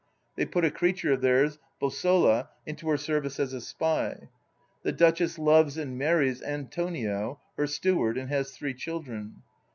They put a creature of theirs, Bosola, into her service as a spy. The Duchess loves and marries Antonio, her steward, and has three children.